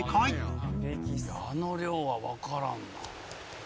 「あの量はわからんな」